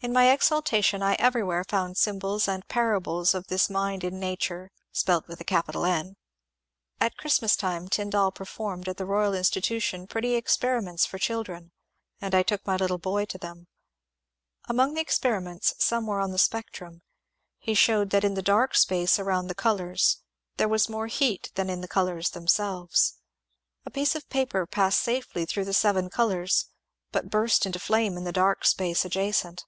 In my exaltation I everywhere found symbols and parables of this mind in Nature (spelt with a capital " N "). At Christ mas time Tyndall performed at the Eoyal Institution pretty experiments for children, and I took my little boy to them : among the experiments some were on the spectrum ; he showed that in the dark space around the colours there was more heat than in the colours themselves. A piece of paper passed safely through the seven colours burst into flame in the dark space adjacent.